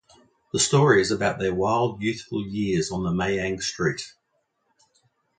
The story is about their wild youthful years on the Mayang street.